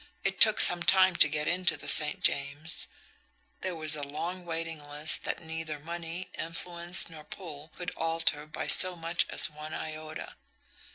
It took some time to get into the St. James; there was a long waiting list that neither money, influence, nor pull could alter by so much as one iota.